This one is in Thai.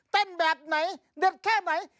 แบบไหนเด็ดแค่ไหน